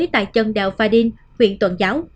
tại chân đèo pha đinh huyện tuần giáo